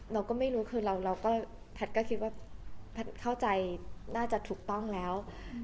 เราก็ไม่รู้คือเราก็แพทย์ก็คิดว่าแพทย์เข้าใจน่าจะถูกต้องแล้ว